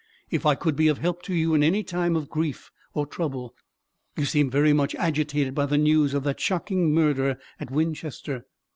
—if I could be of help to you in any time of grief or trouble. You seemed very much agitated by the news of that shocking murder at Winchester.